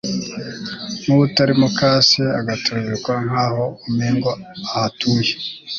nuwutari muka Se …agaturubikwa nkaho umengo ahatuye